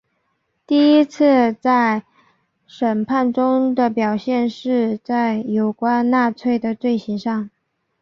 第一次在审判中的表现是在有关纳粹的罪行上。